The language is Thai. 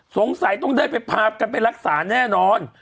สงสัยต้องได้ไปพากันไปรักษาแน่นอน